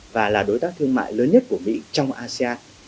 và là đối tác thương mại lớn nhất của mỹ trong asean